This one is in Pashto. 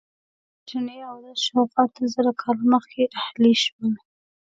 چڼې او عدس شاوخوا اته زره کاله مخکې اهلي شول.